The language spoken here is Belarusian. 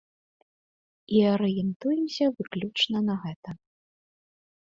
І арыентуемся выключна на гэта.